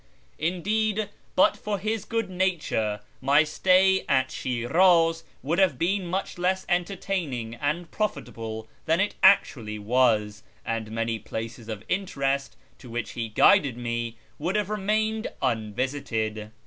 Indeed, but for his good nature my stay at Shiraz would have been much less entertaining and profitable than it actually was, and many places of interest to which he guided me would have remained unvisited.